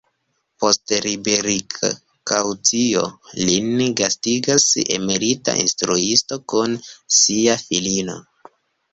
Post liberigkaŭcio, lin gastigas emerita instruisto kun sia filino.